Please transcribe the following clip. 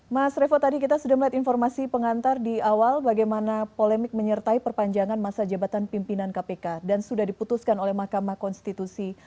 mas revo tadi kita sudah melihat informasi pengantar di awal bagaimana polemik menyertai perpanjangan masa jabatan pimpinan kpk dan sudah diputuskan oleh mahkamah konstitusi